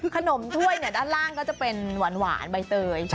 ขนมถ้วยด้านล่างก็จะเป็นหวานใบเตย